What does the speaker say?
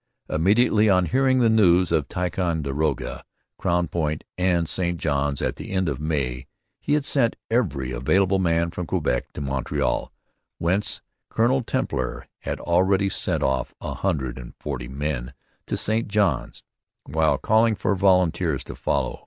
Immediately on hearing the news of Ticonderoga, Crown Point, and St Johns at the end of May he had sent every available man from Quebec to Montreal, whence Colonel Templer had already sent off a hundred and forty men to St Johns, while calling for volunteers to follow.